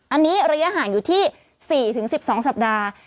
อันนี้ระยะห่างอยู่ที่๔๑๒สัปดาห์